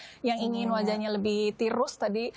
jadi yang ingin wajahnya lebih tirus tadi